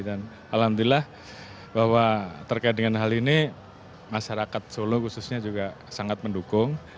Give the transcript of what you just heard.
dan alhamdulillah bahwa terkait dengan hal ini masyarakat solo khususnya juga sangat mendukung